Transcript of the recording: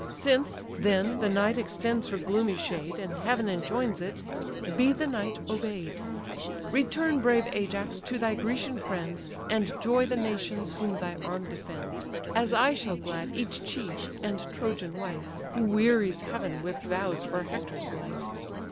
Since, then, the night extends her gloomy shade, And heaven enjoins it, be the night obey'd. Return, brave Ajax, to thy Grecian friends, And joy the nations whom thy arm defends; As I shall glad each chief, and Trojan wife, Who wearies heaven with vows for Hector's life.